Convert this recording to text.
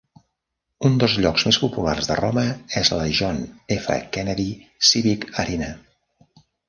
Un dels llocs més populars de Roma és la John F. Kennedy Civic Arena.